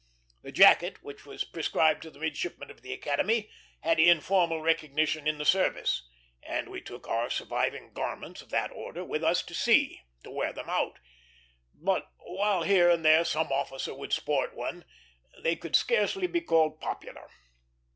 The jacket, which was prescribed to the midshipmen of the Academy, had informal recognition in the service, and we took our surviving garments of that order with us to sea, to wear them out. But, while here and there some officer would sport one, they could scarcely be called popular.